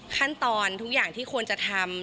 ขั้นตอนทุกอย่างที่ควรจะทำ